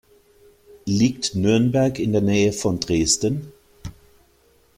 Liegt Nürnberg in der Nähe von Dresden?